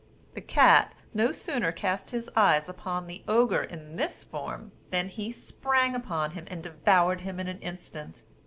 The cat no sooner cast his eyes upon the Ogre in this form, than he sprang upon him and devoured him in an instant.